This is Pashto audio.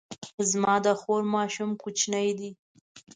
زما د خور ماشوم کوچنی دی